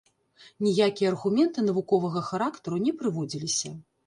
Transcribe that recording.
Ніякія аргументы навуковага характару не прыводзіліся.